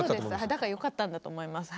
だからよかったんだと思います。